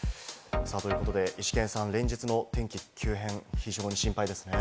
ということで、イシケンさん、連日の天気急変、非常に心配ですね。